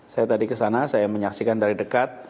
saya tadi kesana saya menyaksikan dari dekat